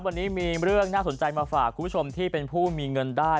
วันนี้มีเรื่องน่าสนใจมาฝากคุณผู้ชมที่เป็นผู้มีเงินได้